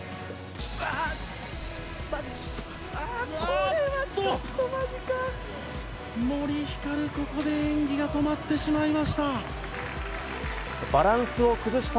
あっ、まじ、あっ、森ひかる、ここで演技が止まってしまいました。